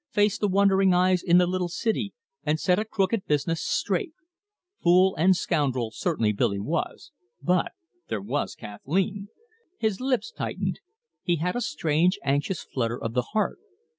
face the wondering eyes in the little city, and set a crooked business straight. Fool and scoundrel certainly Billy was, but there was Kathleen! His lips tightened; he had a strange anxious flutter of the heart.